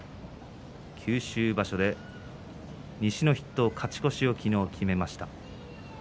九州場所で西の筆頭勝ち越しを昨日、決めました。